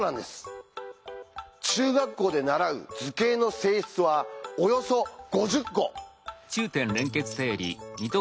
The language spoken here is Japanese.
中学校で習う図形の性質はおよそ５０個。